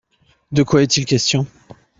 De quoi est-il question ?